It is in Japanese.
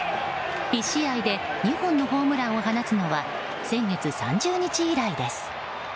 １試合で２本のホームランを放つのは先月３０日以来です。